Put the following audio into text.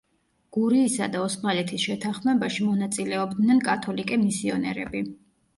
გურიისა და ოსმალეთის შეთანხმებაში მონაწილეობდნენ კათოლიკე მისიონერები.